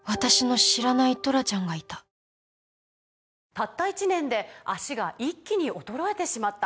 「たった１年で脚が一気に衰えてしまった」